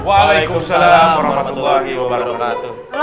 waalaikumsalam warahmatullahi wabarakatuh